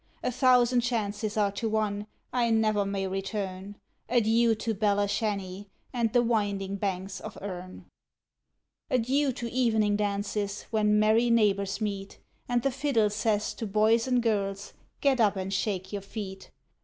A thousand chances are to one I never may return, Adieu to Belashanny, and the winding banks of Erne! Adieu to evening dances, when merry neighbours meet, And the fiddle says to boys and girls, 'Get up and shake your feet!'